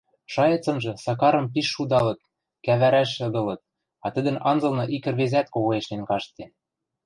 Шайыцынжы Сакарым пиш шудалыт, кӓвӓрӓш ыдылыт, а тӹдӹн анзылны ик ӹрвезӓт когоэшнен каштде.